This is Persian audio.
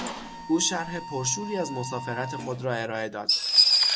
او شرح پرشوری از مسافرت خود را ارائه داد.